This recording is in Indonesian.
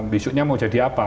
besoknya mau jadi apa